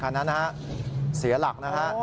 คันนั้นเสียหลัก